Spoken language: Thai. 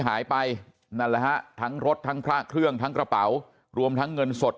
หายไปนั่นแหละฮะทั้งรถทั้งพระเครื่องทั้งกระเป๋ารวมทั้งเงินสด